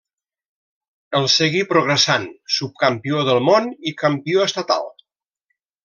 El seguí progressant: subcampió del món i campió estatal.